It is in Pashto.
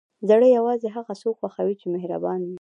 زړه یوازې هغه څوک خوښوي چې مهربان وي.